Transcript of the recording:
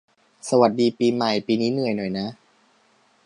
สวัสดีปีใหม่ ปีนี้เหนื่อยหน่อยนะ